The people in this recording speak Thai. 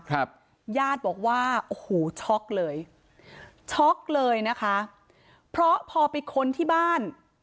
ครับญาติบอกว่าโอ้โหช็อกเลยช็อกเลยนะคะเพราะพอไปค้นที่บ้าน